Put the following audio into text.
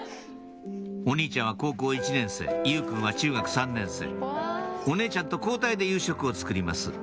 お兄ちゃんは高校１年生祐君は中学３年生お姉ちゃんと交代で夕食を作ります